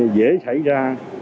dễ xảy ra